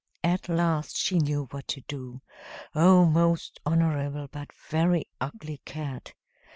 At last she knew what to do, O most honorable but very ugly cat!